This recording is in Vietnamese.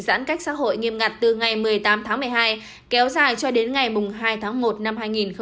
giãn cách xã hội nghiêm ngặt từ ngày một mươi tám tháng một mươi hai kéo dài cho đến ngày hai tháng một năm hai nghìn hai mươi